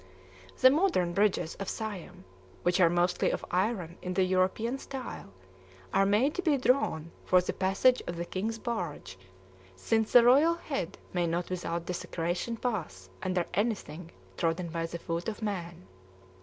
The modern bridges of Siam, which are mostly of iron in the European style, are made to be drawn for the passage of the King's barge, since the royal head may not without desecration pass under anything trodden by the foot of man.